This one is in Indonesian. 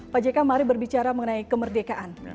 pak jk mari berbicara mengenai kemerdekaan